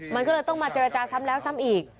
มันก็เลยต้องมาเจรจาซ้ำแล้วซ้ำอีก